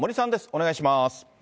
お願いします。